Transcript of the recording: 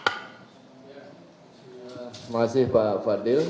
terima kasih pak fadil